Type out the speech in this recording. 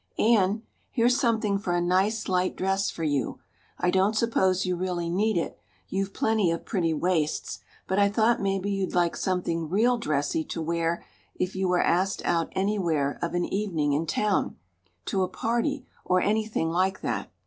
"Anne, here's something for a nice light dress for you. I don't suppose you really need it; you've plenty of pretty waists; but I thought maybe you'd like something real dressy to wear if you were asked out anywhere of an evening in town, to a party or anything like that.